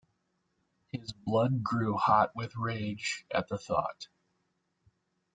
His blood grew hot with rage at the thought.